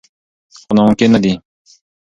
خو ناممکن نه دي.